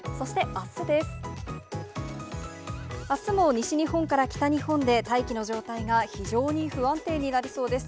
あすも西日本から北日本で、大気の状態が非常に不安定になりそうです。